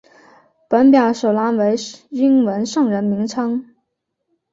本表首栏为英文圣人名称。